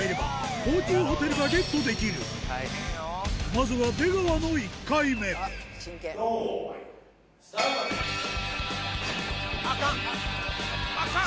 まずは出川の１回目アカンアカン！